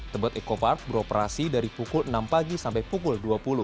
tebet eco park beroperasi dari pukul enam pagi sampai pukul dua puluh